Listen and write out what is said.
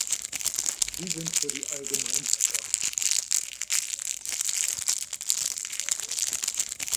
Sie sind für die Allgemeinheit da.